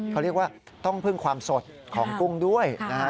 เขาเรียกว่าต้องพึ่งความสดของกุ้งด้วยนะฮะ